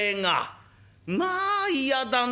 まあ嫌だね」。